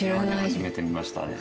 初めて見ましたね。